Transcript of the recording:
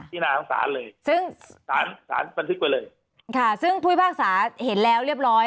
นาของศาลเลยซึ่งสารสารบันทึกไปเลยค่ะซึ่งผู้พิพากษาเห็นแล้วเรียบร้อย